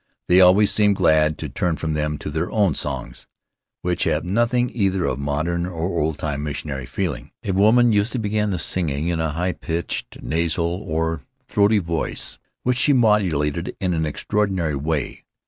They always seemed glad to turn from them to their own songs, which have nothing either of modern or old time missionary feeling. A woman usually began the singing, in a high pitched, nasal, or throaty voice, which she modulated in an extraordinary way.